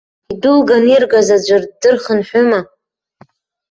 Идәылган иргаз аӡәыр ддырхынҳәыма?!